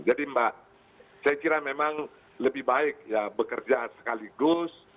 jadi mbak saya kira memang lebih baik ya bekerja sekaligus